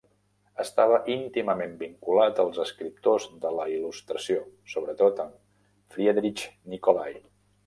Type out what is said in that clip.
Estava íntimament vinculat als escriptors de la il·lustració, sobretot amb Friedrich Nicolai.